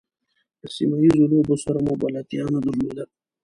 له سیمه ییزو لوبو سره مو بلدتیا نه درلوده.